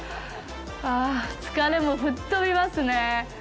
あ、疲れも吹っ飛びますね。